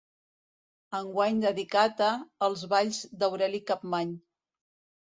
Enguany dedicat a Els balls d'Aureli Capmany.